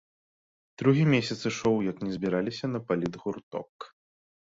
Другі месяц ішоў, як не збіраліся на палітгурток.